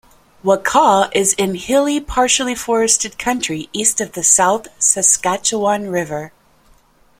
Wakaw is in hilly partially forested country east of the South Saskatchewan River.